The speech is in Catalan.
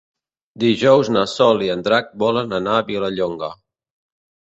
Dijous na Sol i en Drac volen anar a Vilallonga.